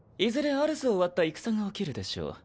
アルスを割った戦が起きるでしょう。